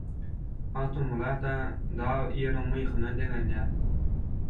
Magtymgulyda dag «Ýeriň myhyna» deňelýär.